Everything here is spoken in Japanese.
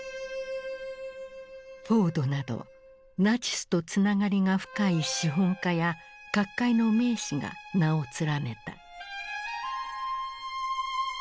フォードなどナチスとつながりが深い資本家や各界の名士が名を連ねた。